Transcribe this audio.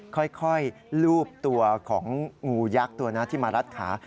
ค่อยลูบตัวของงูยักษ์ตัวนั้นที่มารัดขา